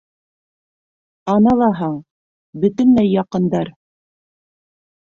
Ана лаһаң, бөтөнләй яҡындар!